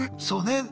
そうね。